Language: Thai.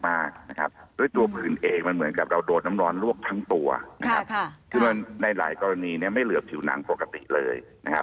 มันเหมือนเราโดนน้ำร้อนลวกทั้งตัวพันธุรกิจแต่ในหลายกรณีไม่เหลือผิวหนังปกติเลย